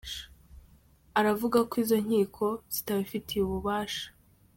Aravuga ko izo nkiko zitabifitiye ububasha.